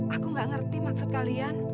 aku tidak mengerti maksud kalian